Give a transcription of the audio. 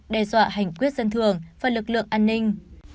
đe dọa hành quyết dân thường và lực lượng an ninh